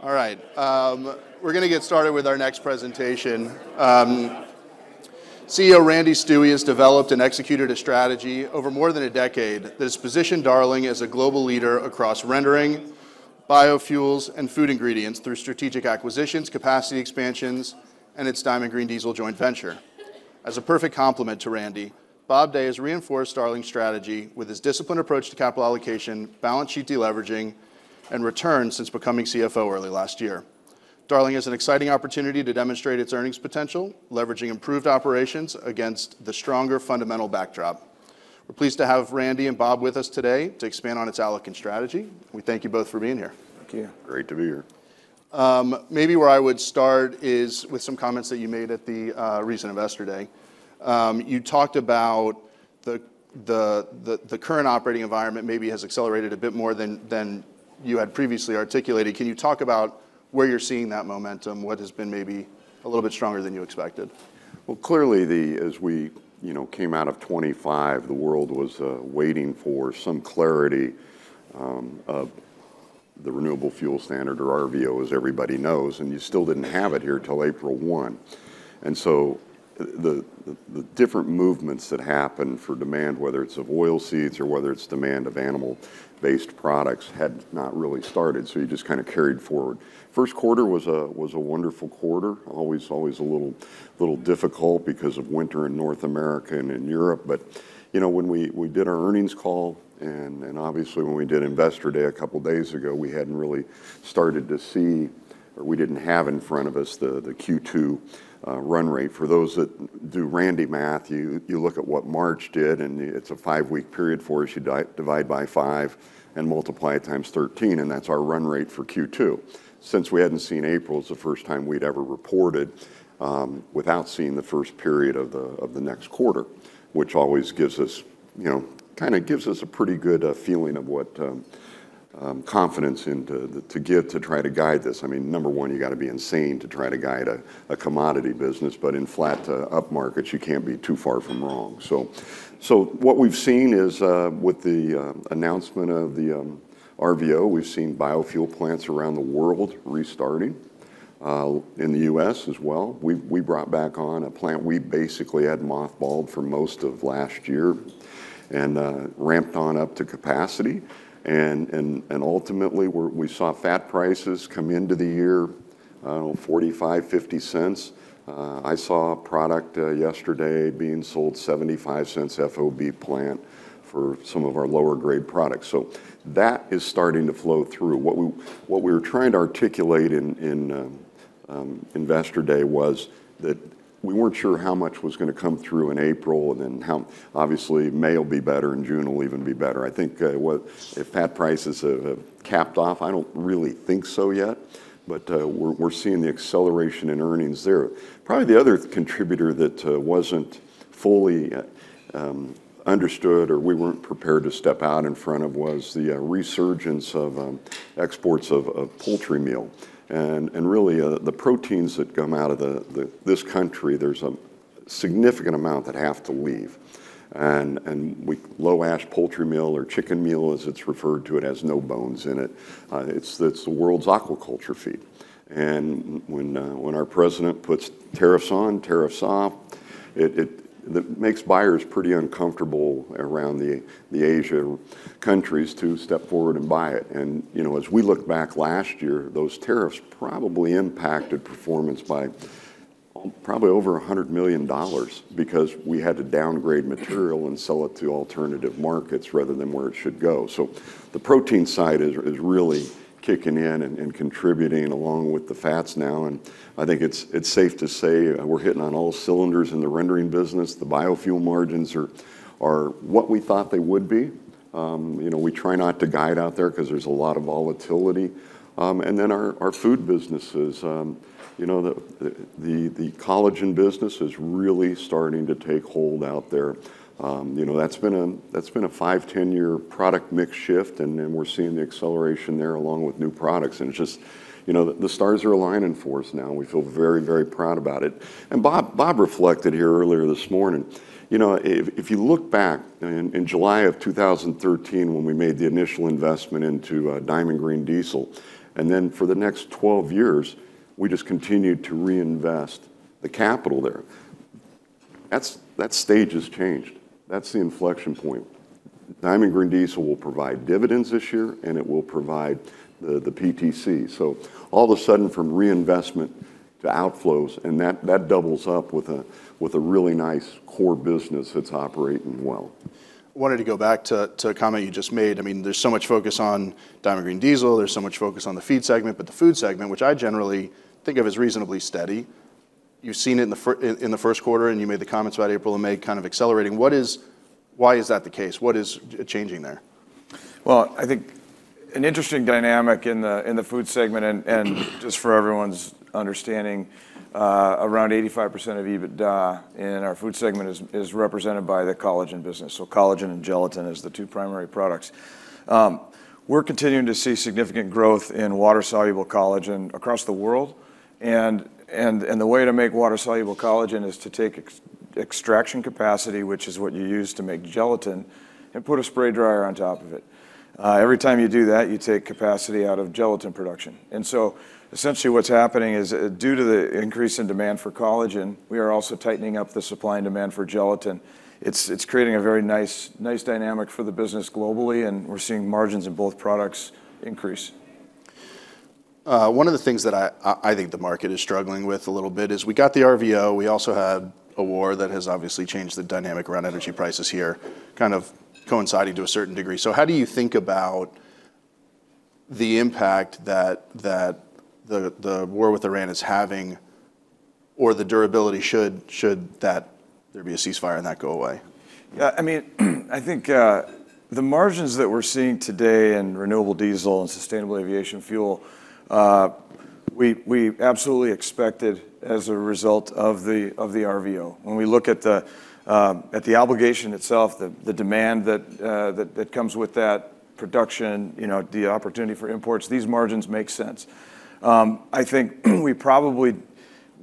All right. We're gonna get started with our next presentation. CEO Randy Stuewe has developed and executed a strategy over more than a decade that has positioned Darling as a global leader across rendering, biofuels, and food ingredients through strategic acquisitions, capacity expansions, and its Diamond Green Diesel joint venture. As a perfect complement to Randy, Bob Day has reinforced Darling's strategy with his disciplined approach to capital allocation, balance sheet de-leveraging, and returns since becoming CFO early last year. Darling has an exciting opportunity to demonstrate its earnings potential, leveraging improved operations against the stronger fundamental backdrop. We're pleased to have Randy and Bob with us today to expand on its outlook and strategy. We thank you both for being here. Thank you. Great to be here. Maybe where I would start is with some comments that you made at the recent Investor Day. You talked about the current operating environment maybe has accelerated a bit more than you had previously articulated. Can you talk about where you're seeing that momentum? What has been maybe a little bit stronger than you expected? Well, clearly the, as we, you know, came out of 2025, the world was waiting for some clarity of the Renewable Fuel Standard, or RVO, as everybody knows, and you still didn't have it here till April 1. The different movements that happened for demand, whether it's of oilseeds or whether it's demand of animal-based products, had not really started, so you just kinda carried forward. First quarter was a wonderful quarter. Always a little difficult because of winter in North America and in Europe, but, you know, when we did our earnings call, and obviously when we did Investor Day a couple days ago, we hadn't really started to see, or we didn't have in front of us, the Q2 run rate. For those that do Randy math, you look at what March did, it's a 5-week period for us. You divide by 5, multiply it times 13, that's our run rate for Q2. Since we hadn't seen April, it's the first time we'd ever reported without seeing the first period of the next quarter, which always gives us, you know, kinda gives us a pretty good feeling of what confidence in to get to try to guide this. I mean, number 1, you gotta be insane to try to guide a commodity business, in flat to up markets, you can't be too far from wrong. What we've seen is with the announcement of the RVO, we've seen biofuel plants around the world restarting. In the U.S. as well. We brought back on a plant we basically had mothballed for most of last year and ramped on up to capacity. Ultimately, we saw fat prices come into the year, I don't know, $0.45, $0.50. I saw product yesterday being sold $0.75 FOB plant for some of our lower grade products. That is starting to flow through. What we were trying to articulate in Investor Day was that we weren't sure how much was gonna come through in April and then how obviously May will be better and June will even be better. I think, what if fat prices have capped off, I don't really think so yet, but we're seeing the acceleration in earnings there. Probably the other contributor that wasn't fully understood or we weren't prepared to step out in front of was the resurgence of exports of poultry meal. Really, the proteins that come out of this country, there's a significant amount that have to leave. Low ash poultry meal or chicken meal as it's referred to, it has no bones in it. That's the world's aquaculture feed. When our president puts tariffs on, tariffs off, it makes buyers pretty uncomfortable around the Asia countries to step forward and buy it. You know, as we look back last year, those tariffs probably impacted performance by probably over $100 million because we had to downgrade material and sell it to alternative markets rather than where it should go. The protein side is really kicking in and contributing along with the fats now. I think it's safe to say, we're hitting on all cylinders in the rendering business. The biofuel margins are what we thought they would be. You know, we try not to guide out there 'cause there's a lot of volatility. Our food businesses, you know, the collagen business is really starting to take hold out there. You know, that's been a 5, 10 year product mix shift and we're seeing the acceleration there along with new products. It's just, you know, the stars are aligning for us now and we feel very, very proud about it. Bob reflected here earlier this morning, you know, if you look back in July of 2013 when we made the initial investment into Diamond Green Diesel, and then for the next 12 years, we just continued to reinvest the capital there. That stage has changed. That's the inflection point. Diamond Green Diesel will provide dividends this year and it will provide the PTC. All of a sudden from reinvestment to outflows and that doubles up with a really nice core business that's operating well. Wanted to go back to a comment you just made. I mean, there's so much focus on Diamond Green Diesel, there's so much focus on the Feed segment, but the Food segment, which I generally think of as reasonably steady, you've seen it in the first quarter and you made the comments about April and May kind of accelerating. Why is that the case? What is changing there? Well, I think an interesting dynamic in the food segment and just for everyone's understanding, around 85% of EBITDA in our food segment is represented by the collagen business. Collagen and gelatin is the two primary products. We're continuing to see significant growth in water-soluble collagen across the world and the way to make water-soluble collagen is to take extraction capacity, which is what you use to make gelatin, and put a spray dryer on top of it. Every time you do that, you take capacity out of gelatin production. Essentially what's happening is, due to the increase in demand for collagen, we are also tightening up the supply and demand for gelatin. It's creating a very nice dynamic for the business globally, and we're seeing margins in both products increase. One of the things that I think the market is struggling with a little bit is we got the RVO, we also had a war that has obviously changed the dynamic around energy prices here, kind of coinciding to a certain degree. How do you think about the impact that the war with Iran is having or the durability should there be a ceasefire and that go away? Yeah, I mean, I think the margins that we're seeing today in renewable diesel and sustainable aviation fuel, we absolutely expected as a result of the RVO. When we look at the obligation itself, the demand that comes with that production, you know, the opportunity for imports, these margins make sense. I think we probably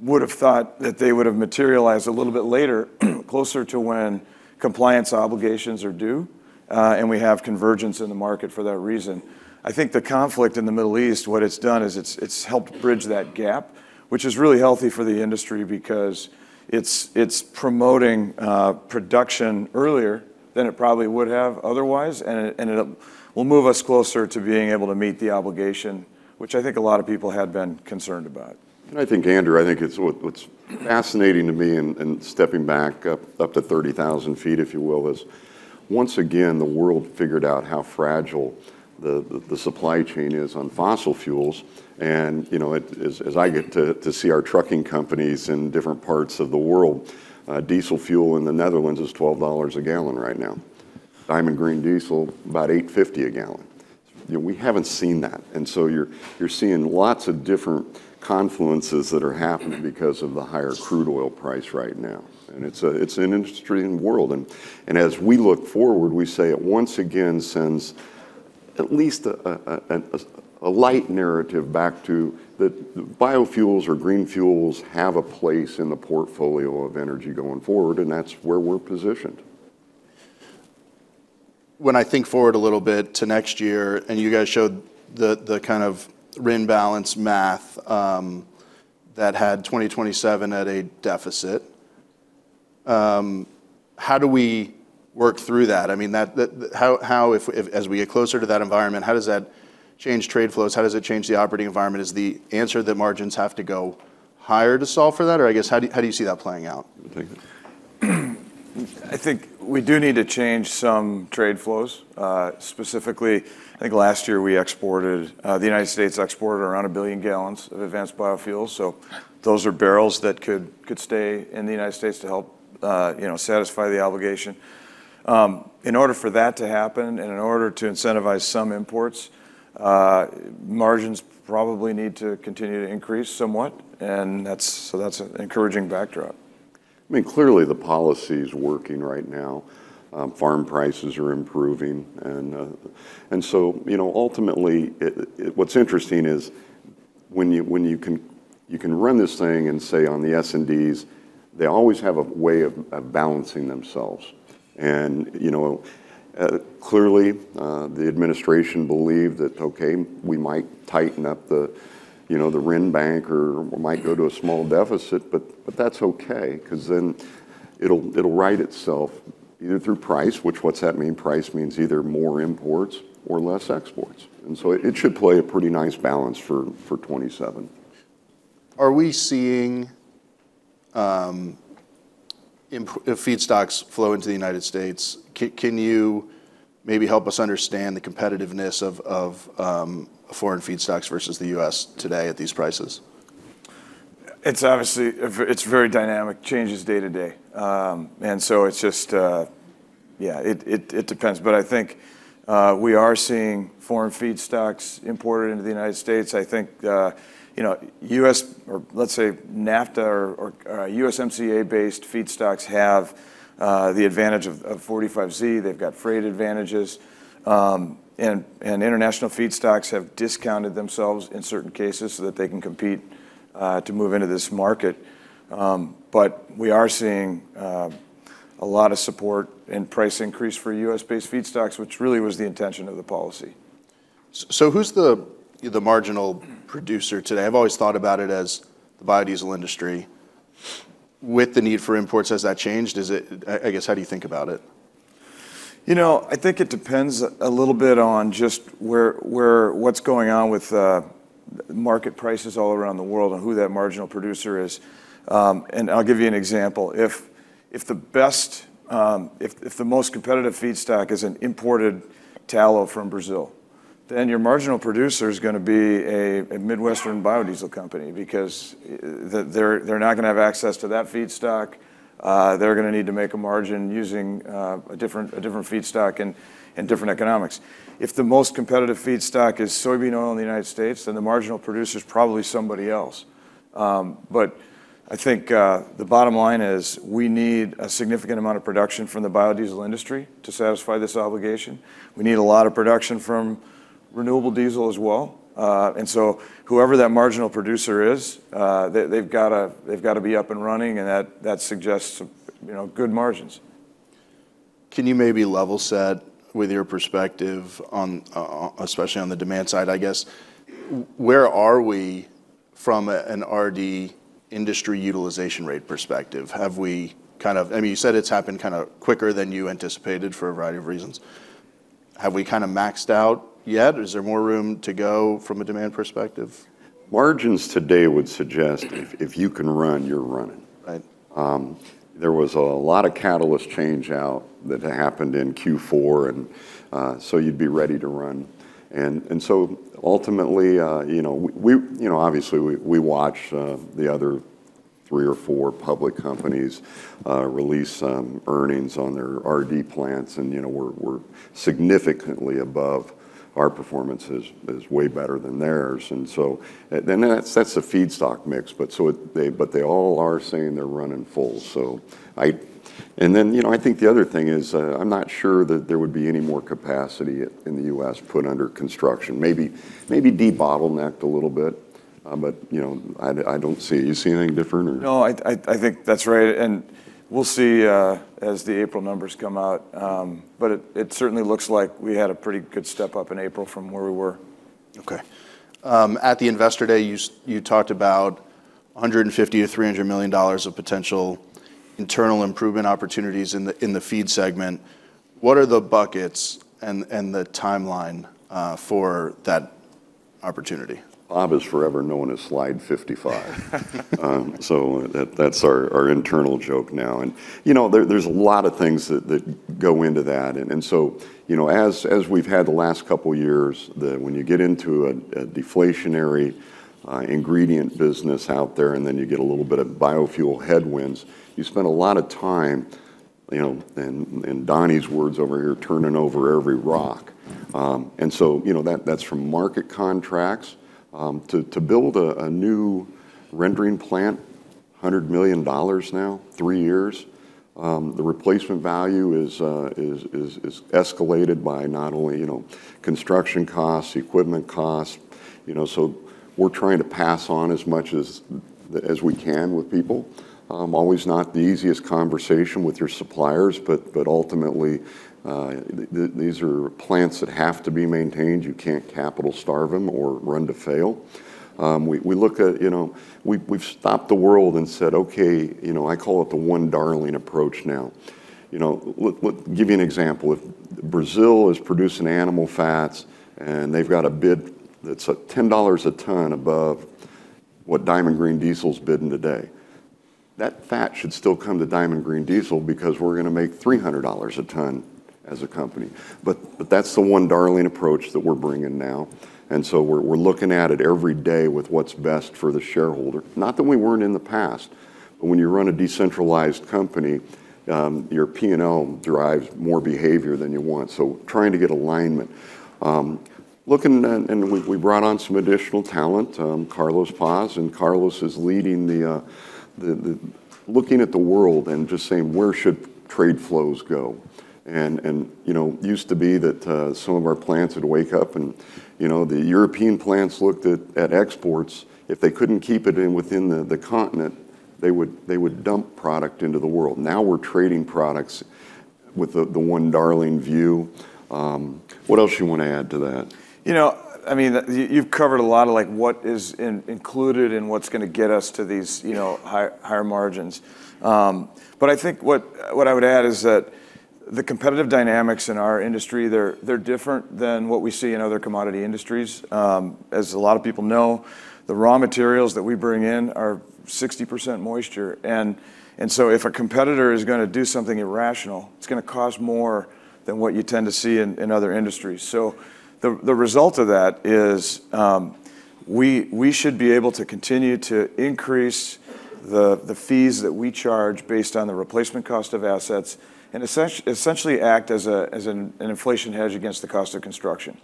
would have thought that they would have materialized a little bit later, closer to when compliance obligations are due, we have convergence in the market for that reason. I think the conflict in the Middle East, what it's done is it's helped bridge that gap, which is really healthy for the industry because it's promoting production earlier than it probably would have otherwise, and it will move us closer to being able to meet the obligation, which I think a lot of people had been concerned about. I think, Andrew, I think it's what's fascinating to me in stepping back up to 30,000 feet, if you will, is once again, the world figured out how fragile the supply chain is on fossil fuels. You know, as I get to see our trucking companies in different parts of the world, diesel fuel in the Netherlands is $12 a gallon right now. Diamond Green Diesel, about $8.50 a gallon. You know, we haven't seen that. You're seeing lots of different confluences that are happening because of the higher crude oil price right now. It's an interesting world. As we look forward, we say it once again sends at least a light narrative back to the biofuels or green fuels have a place in the portfolio of energy going forward, and that's where we're positioned. When I think forward a little bit to next year, and you guys showed the kind of RIN balance math, that had 2027 at a deficit, how do we work through that? I mean, that, how if as we get closer to that environment, how does that change trade flows? How does it change the operating environment? Is the answer that margins have to go higher to solve for that? I guess, how do you, how do you see that playing out? I think we do need to change some trade flows. Specifically, I think last year we exported, the United States exported around 1 billion gallons of advanced biofuels. Those are barrels that could stay in the United States to help, you know, satisfy the obligation. In order for that to happen and in order to incentivize some imports, margins probably need to continue to increase somewhat, and that's an encouraging backdrop. I mean, clearly the policy is working right now. Farm prices are improving and, you know, ultimately what's interesting is when you can run this thing and say on the S&Ds, they always have a way of balancing themselves. Clearly, the administration believed that, okay, we might tighten up the, you know, the RIN bank or we might go to a small deficit, but that's okay 'cause then it'll right itself either through price, which what's that mean? Price means either more imports or less exports. It should play a pretty nice balance for 2027. Are we seeing, you know, feedstocks flow into the United States? Can you maybe help us understand the competitiveness of foreign feedstocks versus the U.S. today at these prices? It's obviously very dynamic, changes day to day. It's just, yeah, it depends. I think we are seeing foreign feedstocks imported into the United States. I think, you know, US or let's say NAFTA or USMCA-based feedstocks have the advantage of 45Z. They've got freight advantages. International feedstocks have discounted themselves in certain cases so that they can compete to move into this market. We are seeing a lot of support and price increase for US-based feedstocks, which really was the intention of the policy. Who's the marginal producer today? I've always thought about it as the biodiesel industry. With the need for imports, has that changed? I guess, how do you think about it? You know, I think it depends a little bit on just where, what's going on with market prices all around the world and who that marginal producer is. I'll give you an example. If the best, if the most competitive feedstock is an imported tallow from Brazil, your marginal producer is gonna be a Midwestern biodiesel company because they're not gonna have access to that feedstock. They're gonna need to make a margin using a different feedstock and different economics. If the most competitive feedstock is soybean oil in the United States, the marginal producer is probably somebody else. I think the bottom line is we need a significant amount of production from the biodiesel industry to satisfy this obligation. We need a lot of production from renewable diesel as well. Whoever that marginal producer is, they've got to be up and running, and that suggests, you know, good margins. Can you maybe level set with your perspective on, especially on the demand side, I guess? Where are we from an RD industry utilization rate perspective, have we, I mean, you said it's happened kind of quicker than you anticipated for a variety of reasons. Have we kind of maxed out yet? Is there more room to go from a demand perspective? Margins today would suggest if you can run, you're running. Right. There was a lot of catalyst change out that happened in Q4, so you'd be ready to run. Ultimately, you know, we, you know, obviously we watch the other three or four public companies release earnings on their RD plants and, you know, we're significantly above our performance is way better than theirs. That's, that's the feedstock mix. They all are saying they're running full. You know, I think the other thing is, I'm not sure that there would be any more capacity in the U.S. put under construction. Maybe, maybe de-bottlenecked a little bit. You know, I don't see. You see anything different or? No, I think that's right. We'll see as the April numbers come out. It certainly looks like we had a pretty good step up in April from where we were. Okay. At the Investor Day, you talked about $150 million to $300 million of potential internal improvement opportunities in the feed segment. What are the buckets and the timeline for that opportunity? Bob is forever known as slide 55. That's our internal joke now. You know, there's a lot of things that go into that. You know, as we've had the last couple years, when you get into a deflationary ingredient business out there, and then you get a little bit of biofuel headwinds, you spend a lot of time, you know, in Donny's words over here, turning over every rock. You know, that's from market contracts to build a new rendering plant, $100 million now, 3 years. The replacement value is escalated by not only, you know, construction costs, equipment costs, you know, we're trying to pass on as much as we can with people. always not the easiest conversation with your suppliers, but ultimately, these are plants that have to be maintained. You can't capital starve them or run to fail. We look at, you know, we've stopped the world and said, "Okay," you know, I call it the one darling approach now. You know, give you an example. If Brazil is producing animal fats and they've got a bid that's $10 a ton above what Diamond Green Diesel's bidding today, that fat should still come to Diamond Green Diesel because we're gonna make $300 a ton as a company. But that's the one darling approach that we're bringing now. We're looking at it every day with what's best for the shareholder. Not that we weren't in the past, but when you run a decentralized company, your P&L drives more behavior than you want. Trying to get alignment. Looking, and we brought on some additional talent, Carlos Paz, and Carlos is leading the Looking at the world and just saying, "Where should trade flows go?" And, you know, used to be that some of our plants would wake up and, you know, the European plants looked at exports. If they couldn't keep it in within the continent, they would dump product into the world. Now we're trading products with the one Darling view. What else you wanna add to that? You know, I mean, you've covered a lot of, like, what is included and what's gonna get us to these, you know, higher margins. I think what I would add is that the competitive dynamics in our industry, they're different than what we see in other commodity industries. As a lot of people know, the raw materials that we bring in are 60% moisture. If a competitor is gonna do something irrational, it's gonna cost more than what you tend to see in other industries. The result of that is, we should be able to continue to increase the fees that we charge based on the replacement cost of assets, and essentially act as an inflation hedge against the cost of construction.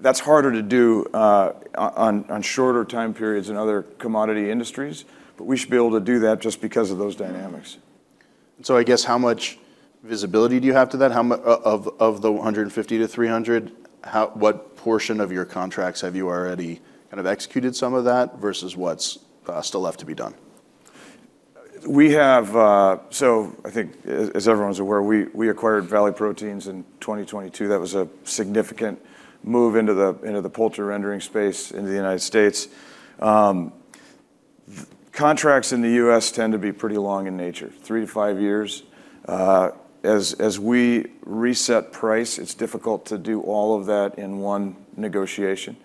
That's harder to do, on shorter time periods in other commodity industries, but we should be able to do that just because of those dynamics. I guess how much visibility do you have to that? Of the $150-$300, what portion of your contracts have you already kind of executed some of that versus what's still left to be done? We have, I think as everyone's aware, we acquired Valley Proteins in 2022. That was a significant move into the poultry rendering space in the United States. Contracts in the U.S. tend to be pretty long in nature, 3 to 5 years. As we reset price, it's difficult to do all of that in 1 negotiation.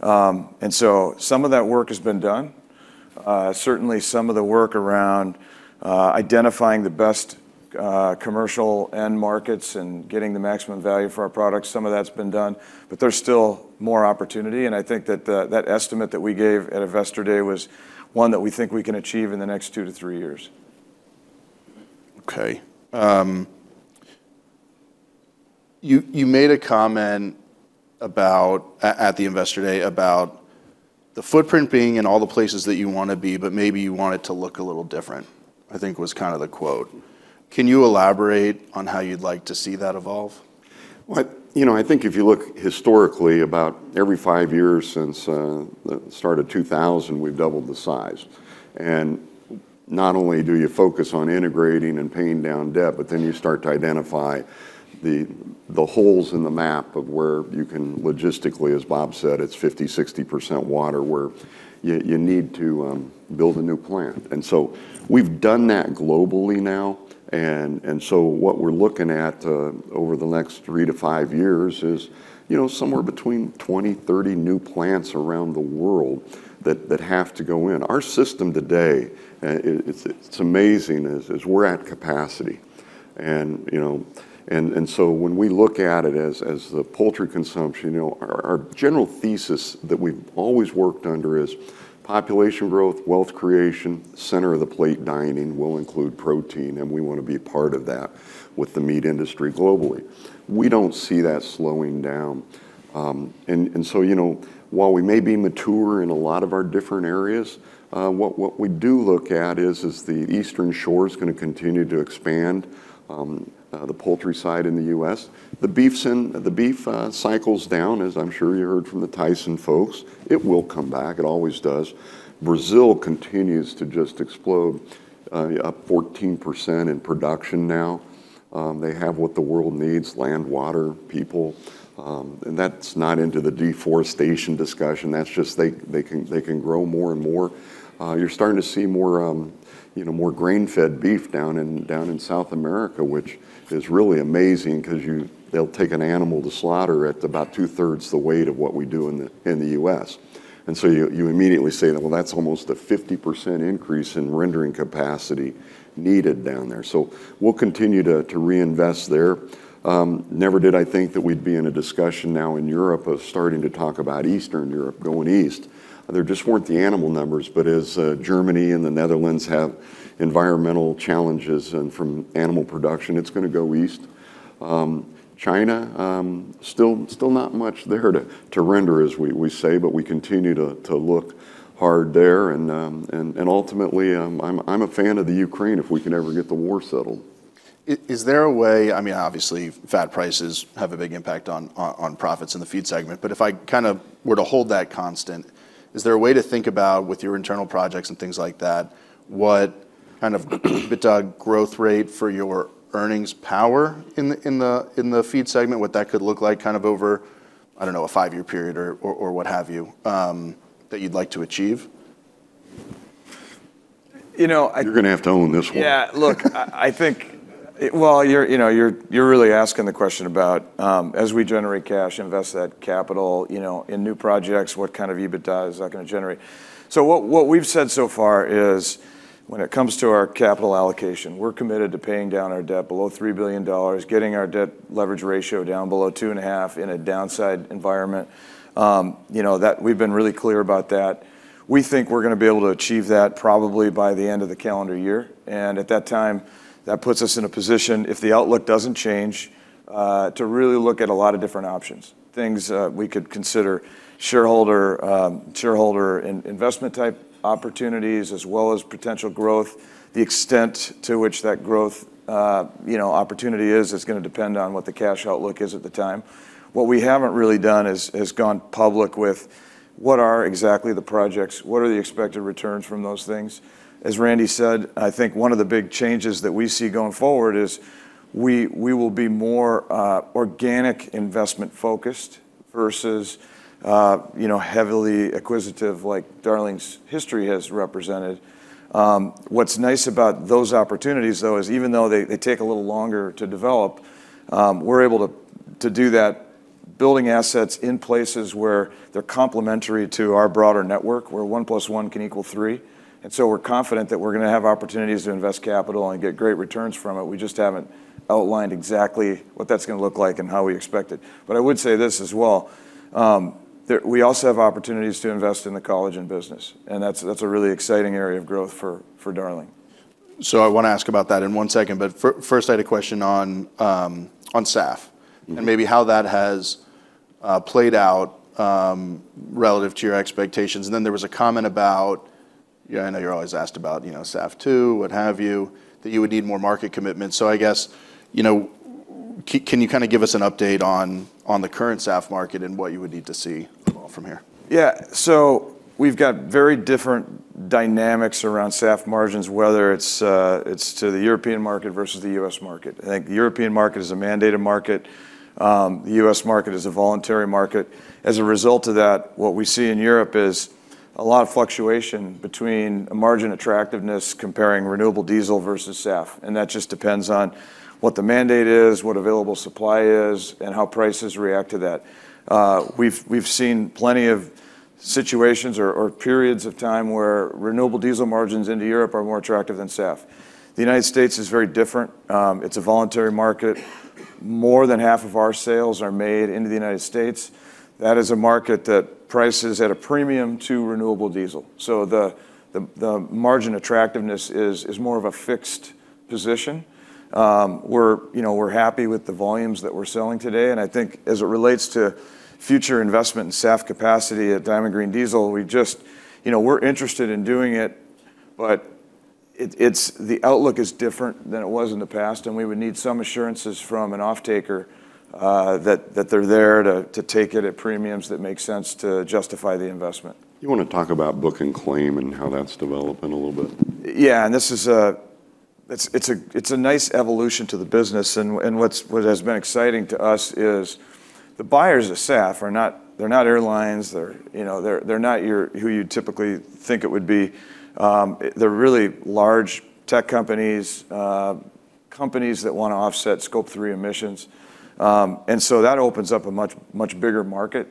Some of that work has been done. Certainly some of the work around identifying the best commercial end markets and getting the maximum value for our products, some of that's been done. There's still more opportunity, and I think that estimate that we gave at Investor Day was 1 that we think we can achieve in the next 2 to 3 years. Okay. You made a comment about at the Investor Day, about the footprint being in all the places that you wanna be, but maybe you want it to look a little different, I think was kind of the quote. Can you elaborate on how you'd like to see that evolve? You know, I think if you look historically, about every 5 years since the start of 2000, we've doubled the size. Not only do you focus on integrating and paying down debt, you start to identify the holes in the map of where you can logistically, as Bob Day said, it's 50%-60% water, where you need to build a new plant. We've done that globally now. What we're looking at over the next 3-5 years is, you know, somewhere between 20-30 new plants around the world that have to go in. Our system today, it's amazing, as we're at capacity. You know, when we look at it as the poultry consumption, you know, our general thesis that we've always worked under is population growth, wealth creation, center of the plate dining will include protein, and we wanna be a part of that with the meat industry globally. We don't see that slowing down. You know, while we may be mature in a lot of our different areas, what we do look at is the Eastern Shore's gonna continue to expand the poultry side in the U.S. The beef cycle's down, as I'm sure you heard from the Tyson folks. It will come back. It always does. Brazil continues to just explode, up 14% in production now. They have what the world needs, land, water, people. That's not into the deforestation discussion, that's just they can grow more and more. You're starting to see more, you know, more grain-fed beef down in South America, which is really amazing 'cause they'll take an animal to slaughter at about two-thirds the weight of what we do in the U.S. You immediately say that, well, that's almost a 50% increase in rendering capacity needed down there. We'll continue to reinvest there. Never did I think that we'd be in a discussion now in Europe of starting to talk about Eastern Europe, going east. There just weren't the animal numbers. As Germany and the Netherlands have environmental challenges and from animal production, it's gonna go east. China, still not much there to render, as we say, but we continue to look hard there. Ultimately, I'm a fan of the Ukraine if we can ever get the war settled. Is there a way I mean, obviously fat prices have a big impact on profits in the feed segment. If I kind of were to hold that constant, is there a way to think about, with your internal projects and things like that, what kind of EBITDA growth rate for your earnings power in the feed segment, what that could look like kind of over, I don't know, a five-year period or what have you, that you'd like to achieve? You know. You're gonna have to own this one. Yeah. Look, I think Well, you know, you're really asking the question about, as we generate cash, invest that capital, you know, in new projects, what kind of EBITDA is that gonna generate? What we've said so far is when it comes to our capital allocation, we're committed to paying down our debt below $3 billion, getting our debt leverage ratio down below 2.5 in a downside environment. You know, that we've been really clear about that. We think we're gonna be able to achieve that probably by the end of the calendar year. At that time, that puts us in a position, if the outlook doesn't change, to really look at a lot of different options, things we could consider, shareholder in-investment type opportunities, as well as potential growth. The extent to which that growth, you know, opportunity is gonna depend on what the cash outlook is at the time. What we haven't really done is gone public with what are exactly the projects, what are the expected returns from those things. As Randy said, I think one of the big changes that we see going forward is we will be more organic investment focused versus, you know, heavily acquisitive like Darling's history has represented. What's nice about those opportunities though is even though they take a little longer to develop, we're able to do that building assets in places where they're complementary to our broader network, where one plus one can equal three. We're confident that we're gonna have opportunities to invest capital and get great returns from it. We just haven't outlined exactly what that's gonna look like and how we expect it. I would say this as well, we also have opportunities to invest in the collagen business, and that's a really exciting area of growth for Darling. I wanna ask about that in one second. First, I had a question on SAF. Maybe how that has played out relative to your expectations. Then there was a comment about, you know, I know you're always asked about, you know, SAF 2, what have you, that you would need more market commitment. I guess, you know, can you kind of give us an update on the current SAF market and what you would need to see evolve from here? We've got very different dynamics around SAF margins, whether it's to the European market versus the U.S. market. I think the European market is a mandated market. The U.S. market is a voluntary market. As a result of that, what we see in Europe is a lot of fluctuation between margin attractiveness comparing renewable diesel versus SAF, and that just depends on what the mandate is, what available supply is, and how prices react to that. We've seen plenty of situations or periods of time where renewable diesel margins into Europe are more attractive than SAF. The United States is very different. It's a voluntary market. More than half of our sales are made into the United States. That is a market that prices at a premium to renewable diesel. The margin attractiveness is more of a fixed position. We're, you know, we're happy with the volumes that we're selling today. I think as it relates to future investment in SAF capacity at Diamond Green Diesel, we just, you know, we're interested in doing it. The outlook is different than it was in the past, and we would need some assurances from an offtaker, that they're there to take it at premiums that make sense to justify the investment. You wanna talk about book and claim and how that's developing a little bit? Yeah, this is a nice evolution to the business. What has been exciting to us is the buyers of SAF are not airlines. They're, you know, not your who you'd typically think it would be. They're really large tech companies that wanna offset Scope 3 emissions. That opens up a much bigger market.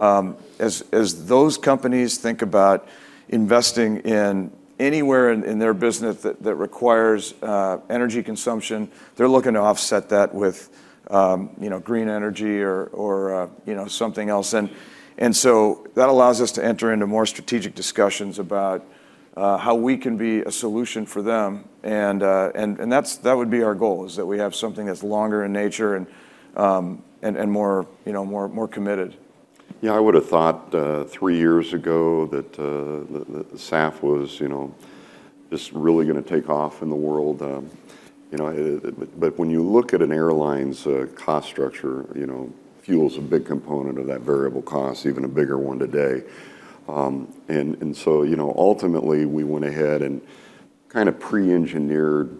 As those companies think about investing in anywhere in their business that requires energy consumption, they're looking to offset that with, you know, green energy or, you know, something else. That allows us to enter into more strategic discussions about how we can be a solution for them. That would be our goal, is that we have something that's longer in nature and, more, you know, committed. Yeah, I would've thought, three years ago that SAF was, you know, just really gonna take off in the world. When you look at an airline's cost structure, you know, fuel's a big component of that variable cost, even a bigger one today. Ultimately, we went ahead and kinda pre-engineered,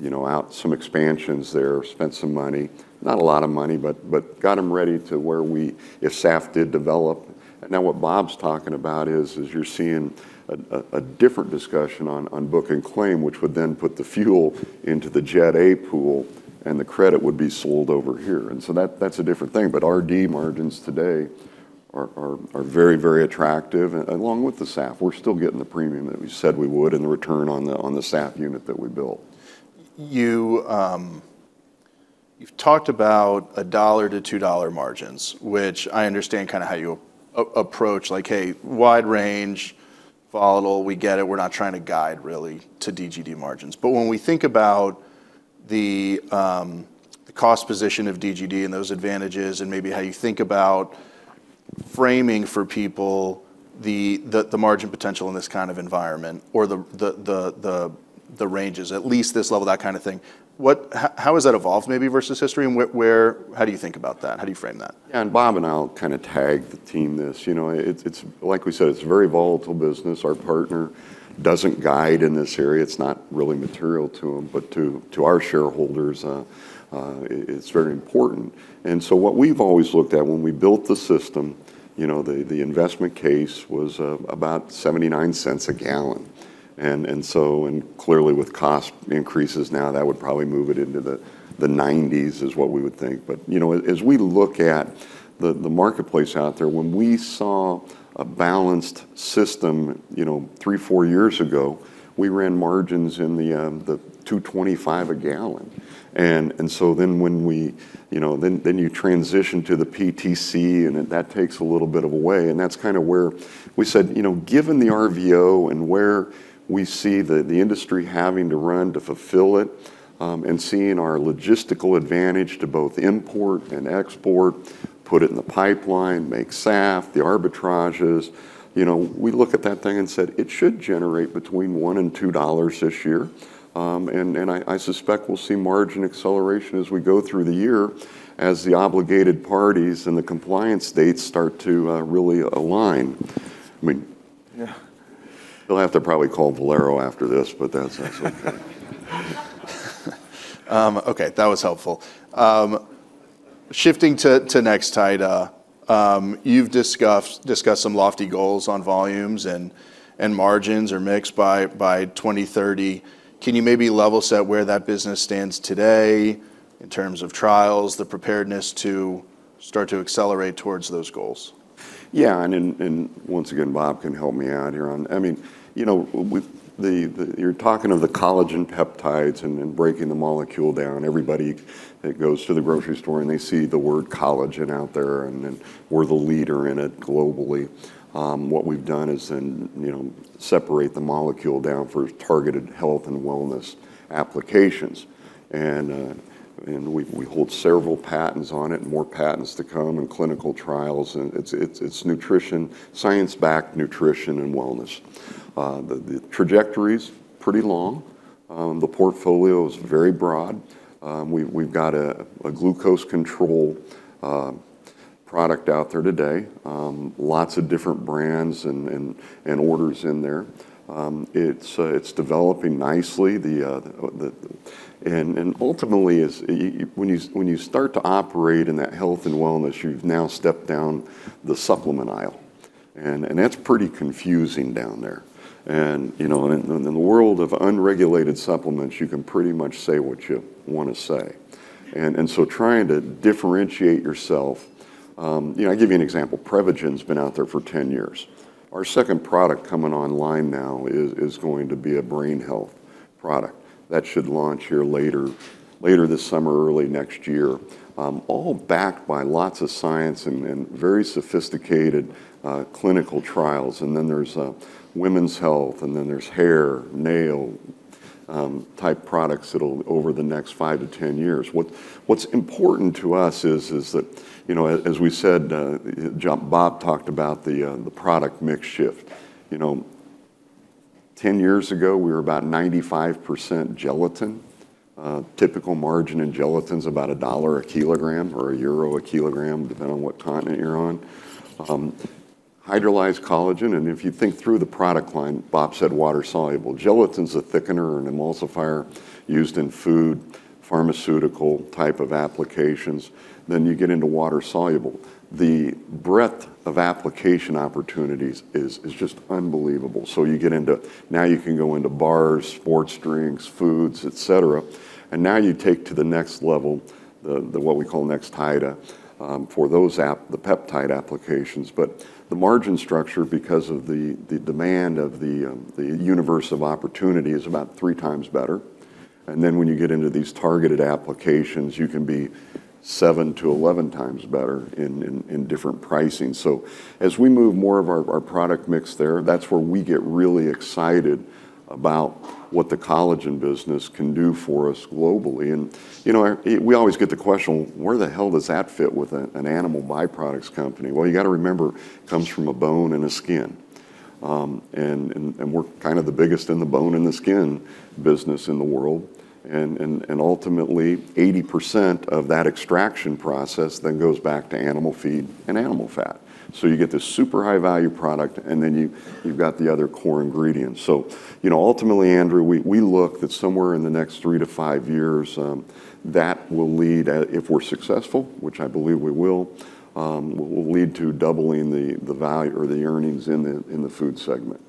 you know, out some expansions there, spent some money. Not a lot of money, but got 'em ready to where we, if SAF did develop. Now what Bob's talking about is you're seeing a different discussion on book and claim, which would then put the fuel into the Jet A pool, and the credit would be sold over here. That's a different thing. Our RD margins today are very, very attractive, along with the SAF. We're still getting the premium that we said we would and the return on the SAF unit that we built. You've talked about $1-$2 margins, which I understand kinda how you approach. Like, "Hey, wide range, volatile, we get it. We're not trying to guide really to DGD margins." When we think about the cost position of DGD and those advantages and maybe how you think about framing for people the ranges, at least this level, that kinda thing, how has that evolved maybe versus history, and how do you think about that? How do you frame that? Yeah, Bob and I'll kinda tag team this. You know, it's, like we said, it's a very volatile business. Our partner doesn't guide in this area. It's not really material to him, but to our shareholders, it's very important. What we've always looked at, when we built the system, you know, the investment case was about $0.79 a gallon. Clearly with cost increases now, that would probably move it into the 90s is what we would think. You know, as we look at the marketplace out there, when we saw a balanced system, you know, 3, 4 years ago, we ran margins in the $2.25 a gallon. When we, you know, then you transition to the PTC, and that takes a little bit of a way, and that's kind of where we said, "You know, given the RVO and where we see the industry having to run to fulfill it, and seeing our logistical advantage to both import and export, put it in the pipeline, make SAF, the arbitrages," you know, we look at that thing and said, "It should generate between $1 and $2 this year." I suspect we'll see margin acceleration as we go through the year as the obligated parties in the compliance states start to really align. I mean. Yeah you'll have to probably call Valero after this, but that's absolutely fine. Okay. That was helpful. Shifting to Nextida, you've discussed some lofty goals on volumes and margins or mix by 2030. Can you maybe level set where that business stands today in terms of trials, the preparedness to start to accelerate towards those goals? Once again, Bob can help me out here. I mean, you know, with the collagen peptides and breaking the molecule down. Everybody goes to the grocery store, and they see the word collagen out there. We're the leader in it globally. What we've done is, you know, separate the molecule down for targeted health and wellness applications. We hold several patents on it, and more patents to come and clinical trials, and it's nutrition, science-backed nutrition and wellness. The trajectory's pretty long. The portfolio is very broad. We've got a glucose control product out there today, lots of different brands and orders in there. It's developing nicely. Ultimately, when you start to operate in that health and wellness, you've now stepped down the supplement aisle, and that's pretty confusing down there. You know, and in the world of unregulated supplements, you can pretty much say what you wanna say. Trying to differentiate yourself. You know, I'll give you an example. Prevagen's been out there for 10 years. Our second product coming online now is going to be a brain health product. That should launch here later this summer, early next year, all backed by lots of science and very sophisticated clinical trials. Then there's women's health, then there's hair, nail type products that'll over the next 5-10 years. What's important to us is that, you know, as we said, Bob talked about the product mix shift. You know, 10 years ago we were about 95% gelatin. Typical margin in gelatin's about $1 a kilogram or EUR 1 a kilogram, depending on what continent you're on. Hydrolyzed collagen, if you think through the product line, Bob said water soluble. Gelatin's a thickener and emulsifier used in food, pharmaceutical type of applications. You get into water soluble. The breadth of application opportunities is just unbelievable. You get into, now you can go into bars, sports drinks, foods, et cetera. Now you take to the next level, the what we call Nextida, for those peptide applications. The margin structure, because of the demand of the universe of opportunity, is about 3x better. When you get into these targeted applications, you can be 7x-11x better in different pricing. As we move more of our product mix there, that's where we get really excited about what the collagen business can do for us globally. You know, we always get the question, "Well, where the hell does that fit with an animal byproducts company?" Well, you gotta remember, it comes from a bone and a skin. We're kind of the biggest in the bone and the skin business in the world. Ultimately, 80% of that extraction process then goes back to animal feed and animal fat. You get this super high value product, and then you've got the other core ingredients. You know, ultimately, Andrew, we look that somewhere in the next 3 to 5 years, that will lead if we're successful, which I believe we will lead to doubling the earnings in the food segment.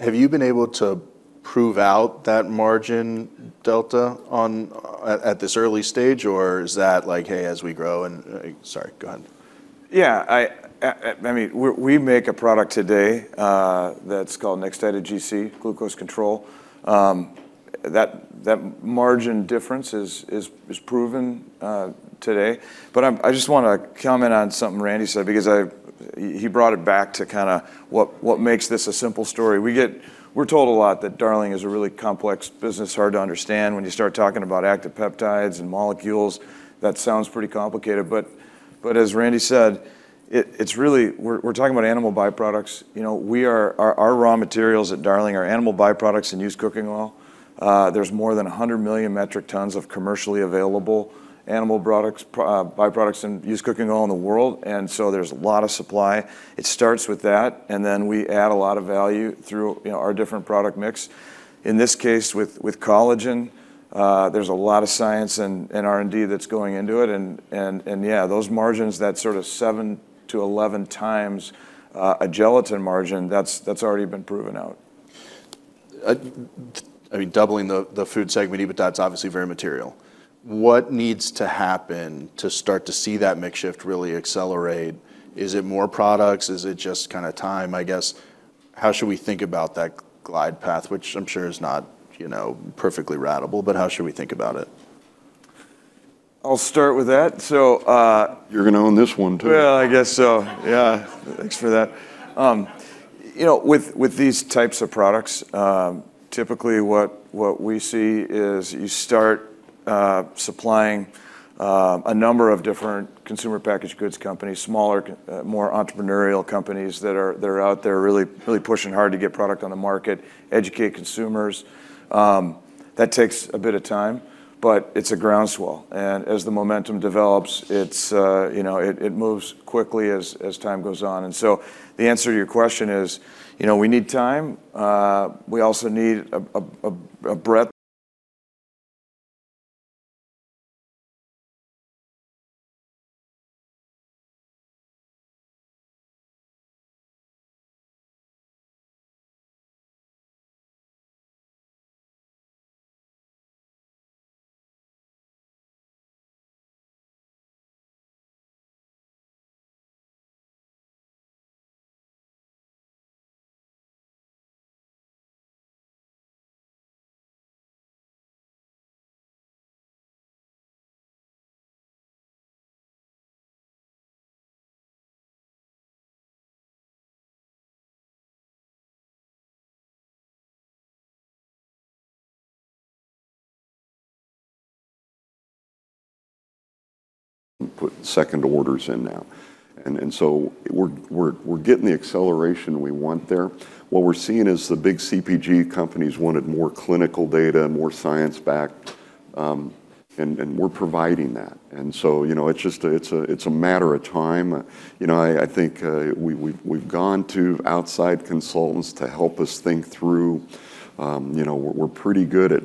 Have you been able to prove out that margin delta on, at this early stage? Or is that like, "Hey, as we grow and" sorry, go ahead. Yeah. I mean, we make a product today that's called Nextida GC, glucose control. That margin difference is proven today. I just want to comment on something Randy said because he brought it back to kind of what makes this a simple story. We're told a lot that Darling is a really complex business, hard to understand. When you start talking about active peptides and molecules, that sounds pretty complicated. As Randy said, it's really we're talking about animal byproducts. You know, we are raw materials at Darling are animal byproducts and used cooking oil. There's more than 100 million metric tons of commercially available animal products, byproducts and used cooking oil in the world, so there's a lot of supply. It starts with that, then we add a lot of value through, you know, our different product mix. In this case with collagen, there's a lot of science and R&D that's going into it. Yeah, those margins, that sort of 7x-11x a gelatin margin, that's already been proven out. I mean, doubling the food segment EBITDA, that's obviously very material. What needs to happen to start to see that mix shift really accelerate? Is it more products? Is it just kinda time, I guess? How should we think about that glide path? Which I'm sure is not, you know, perfectly ratable, but how should we think about it? I'll start with that. You're gonna own this one too. Well, I guess so. Yeah. Thanks for that. you know, with these types of products, typically what we see is you start supplying a number of different consumer packaged goods companies, smaller, more entrepreneurial companies that are out there really, really pushing hard to get product on the market, educate consumers. That takes a bit of time, but it's a groundswell. As the momentum develops, it's, you know, it moves quickly as time goes on. The answer to your question is, you know, we need time. We also need... ...second orders in now. We're getting the acceleration we want there. What we're seeing is the big CPG companies wanted more clinical data, more science backed, and we're providing that. You know, it's just a matter of time. You know, I think we've gone to outside consultants to help us think through. You know, we're pretty good at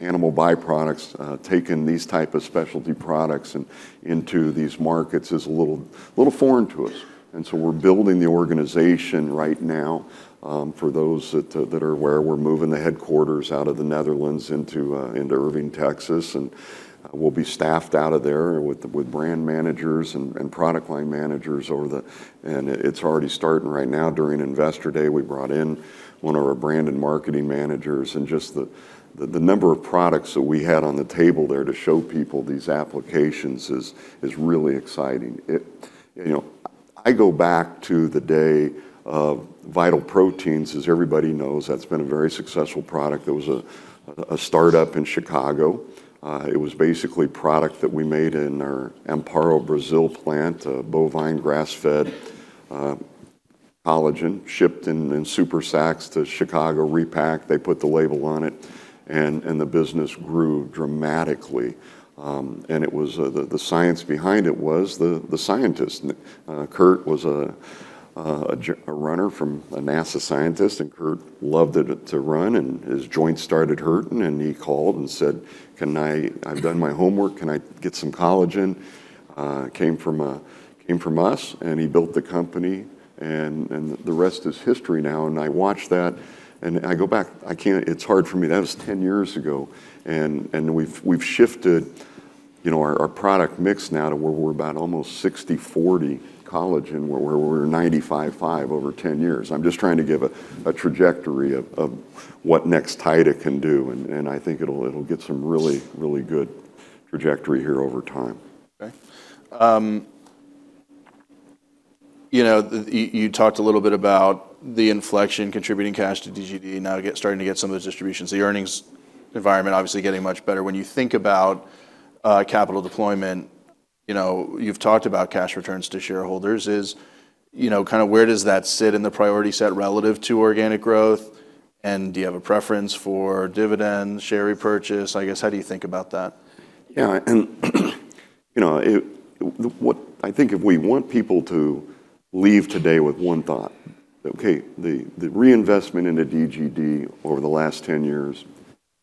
animal byproducts. Taking these type of specialty products into these markets is a little foreign to us. We're building the organization right now. For those that are aware, we're moving the headquarters out of the Netherlands into Irving, Texas. We'll be staffed out of there with brand managers and product line managers. It's already starting right now. During Investor Day, we brought in one of our brand and marketing managers, just the number of products that we had on the table there to show people these applications is really exciting. You know, I go back to the day of Vital Proteins. As everybody knows, that's been a very successful product. There was a startup in Chicago. It was basically product that we made in our Amparo, Brazil plant. A bovine grass-fed collagen shipped in super sacks to Chicago, repacked, they put the label on it, and the business grew dramatically. It was the science behind it was the scientist. Kurt was a runner from a NASA scientist. Kurt loved to run, and his joints started hurting. He called and said, "I've done my homework, can I get some collagen?" Came from us, he built the company, and the rest is history now. I watch that, I go back. It's hard for me. That was 10 years ago, we've shifted, you know, our product mix now to where we're about almost 60/40 collagen, where we're 95/5 over 10 years. I'm just trying to give a trajectory of what Nextida can do, and I think it'll get some really good trajectory here over time. Okay. You know, the, you talked a little bit about the inflection, contributing cash to DGD, now starting to get some of those distributions. The earnings environment obviously getting much better. When you think about capital deployment, you know, you've talked about cash returns to shareholders, You know, kind of where does that sit in the priority set relative to organic growth, and do you have a preference for dividend, share repurchase? I guess, how do you think about that? Yeah, you know, what I think if we want people to leave today with one thought, the reinvestment into DGD over the last 10 years,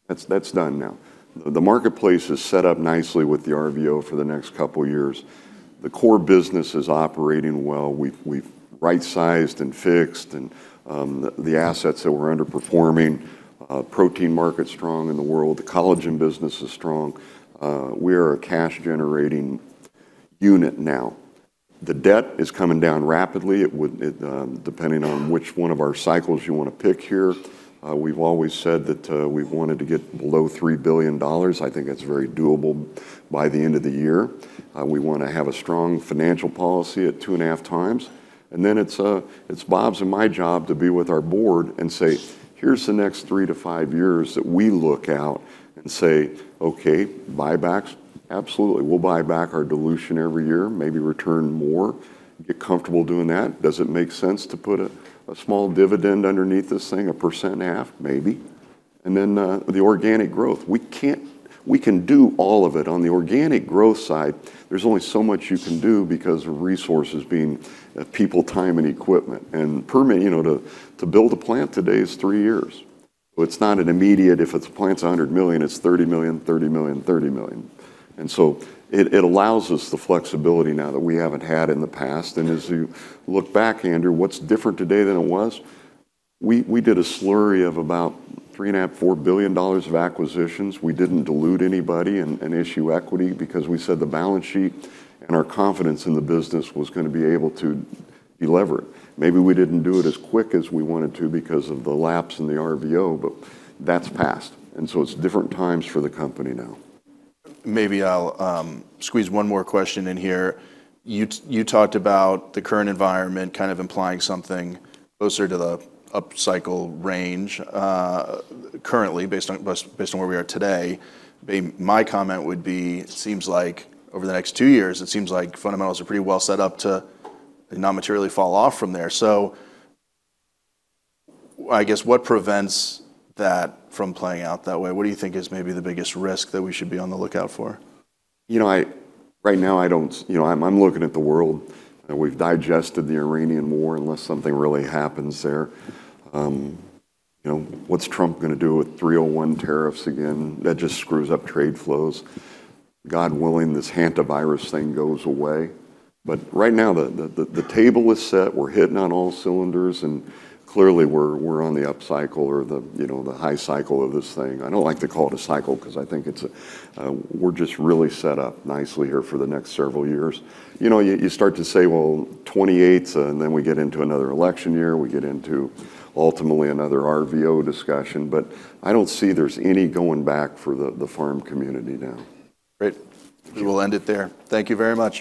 that's done now. The marketplace is set up nicely with the RVO for the next couple years. The core business is operating well. We've right-sized and fixed the assets that were underperforming. Protein market's strong in the world. The collagen business is strong. We are a cash-generating unit now. The debt is coming down rapidly. Depending on which one of our cycles you wanna pick here, we've always said that we've wanted to get below $3 billion. I think that's very doable by the end of the year. We wanna have a strong financial policy at 2.5x. Then it's Bob's and my job to be with our board and say, "Here's the next 3 to 5 years that we look out," and say, "Okay, buybacks, absolutely. We'll buy back our dilution every year, maybe return more, get comfortable doing that. Does it make sense to put a small dividend underneath this thing, 1.5%? Maybe." Then, the organic growth. We can do all of it. On the organic growth side, there's only so much you can do because of resources being, people, time, and equipment. Permit, you know, to build a plant today is 3 years. So it's not an immediate, if it's, the plant's $100 million, it's $30 million, $30 million, $30 million. So it allows us the flexibility now that we haven't had in the past. As you look back, Andrew, what's different today than it was, we did a slurry of about $3.5 billion-$4 billion of acquisitions. We didn't dilute anybody and issue equity because we said the balance sheet and our confidence in the business was gonna be able to de-lever it. Maybe we didn't do it as quick as we wanted to because of the lapse in the RVO, but that's passed, and so it's different times for the company now. Maybe I'll squeeze one more question in here. You talked about the current environment kind of implying something closer to the upcycle range currently based on where we are today. My comment would be, seems like over the next two years, it seems like fundamentals are pretty well set up to not materially fall off from there. I guess, what prevents that from playing out that way? What do you think is maybe the biggest risk that we should be on the lookout for? You know, I, right now, I don't You know, I'm looking at the world, and we've digested the Iranian war, unless something really happens there. You know, what's Trump gonna do with Section 301 tariffs again? That just screws up trade flows. God willing, this Hantavirus thing goes away. Right now, the table is set. We're hitting on all cylinders, and clearly we're on the upcycle or the, you know, the high cycle of this thing. I don't like to call it a cycle 'cause I think it's, we're just really set up nicely here for the next several years. You know, you start to say, "Well, 2028, and then we get into another election year." We get into ultimately another RVO discussion. I don't see there's any going back for the farm community now. Great. We will end it there. Thank you very much.